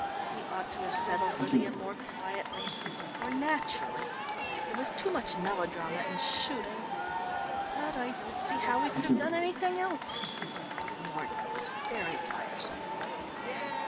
We ought to have settled Lydia more quietly, more naturally. There was too much melodrama and shooting, but I don't see how we could have done anything else Mordon was very tiresome."